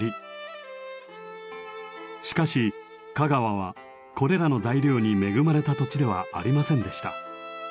しかし香川はこれらの材料に恵まれた土地ではありませんでした。